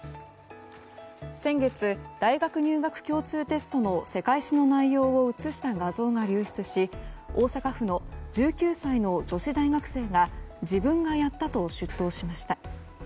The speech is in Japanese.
先月、大学入学共通テストの世界史の内容を映した画像が流出し大阪府の１９歳の女子大学生が自分がやったと出頭しました。